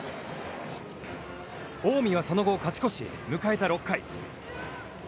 近江はその後、勝ち越し、迎えた６回。